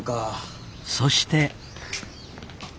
そして。